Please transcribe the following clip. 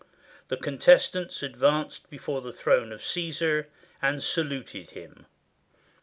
The contestants advanced before the throne of Caesar and saluted him.